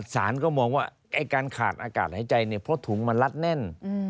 สารก็มองว่าการขาดอากาศหายใจเนี่ยเพราะถุงมันรัดแน่น